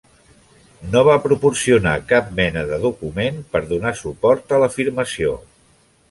No va proporcionar cap mena de document per donar suport a l'afirmació.